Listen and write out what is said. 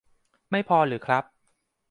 ไม่พอหรือครับ